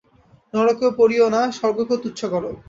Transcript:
নরকেও পড়িও না, স্বর্গকেও তুচ্ছ কর।